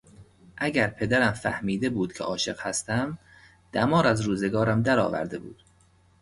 اگر پدرم فهمیده بود که عاشق هستم دمار از روزگارم در آورده بود.